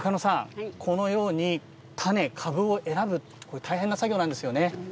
このように株を選ぶのは大変な作業ですね。